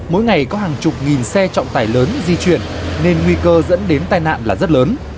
mỗi ngày có hàng chục nghìn xe trọng tải lớn di chuyển nên nguy cơ dẫn đến tai nạn là rất lớn